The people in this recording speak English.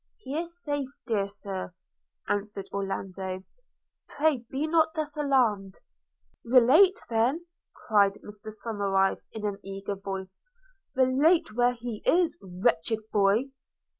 – 'He is safe, dear Sir,' answered Orlando; 'pray be not thus alarmed.' 'Relate then,' cried Mr Somerive in an eager voice, 'relate where he is – wretched boy!'